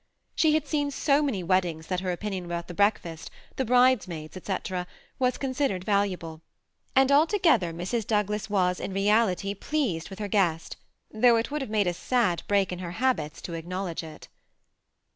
She had seen so many weddings that her opinion about the breakfast, the bridemaids, &c was considered valuable ; and altogether Mrs. Douglas was in reality pleased with her guest, though it would have made a sad break in her habits to acknowledge it.